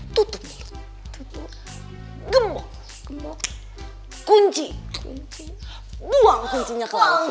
tutup mulut gembok kunci buang kuncinya ke laut